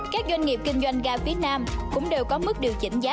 các doanh nghiệp kinh doanh ga phía nam cũng đều có mức điều chỉnh giá